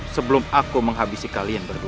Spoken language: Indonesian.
sebelum aku menghabisi kalian berdua